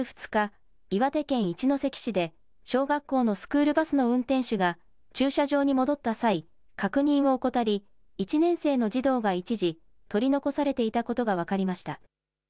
小学校のスクールバスの運転手が駐車場に戻った際、確認を怠り１年生の児童が一時、取り残されていたことが分かりました。